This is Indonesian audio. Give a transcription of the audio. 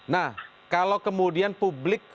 nah kalau kemudian publik